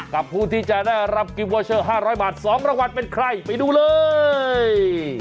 กับผู้ที่จะได้รับกิมเวอร์เชอร์๕๐๐บาท๒รางวัลเป็นใครไปดูเลย